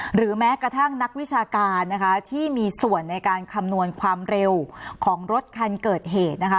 หรือแม้กระทั่งนักวิชาการนะคะที่มีส่วนในการคำนวณความเร็วของรถคันเกิดเหตุนะคะ